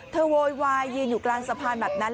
โวยวายยืนอยู่กลางสะพานแบบนั้น